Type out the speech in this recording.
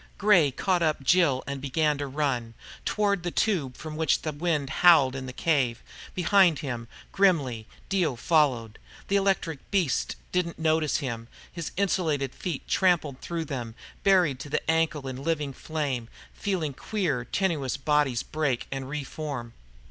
Gray caught up Jill and began to run, toward the tube from which the wind howled in the cave. Behind him, grimly, Dio followed. The electric beasts didn't notice him. His insulated feet trampled through them, buried to the ankle in living flame, feeling queer tenuous bodies break and reform.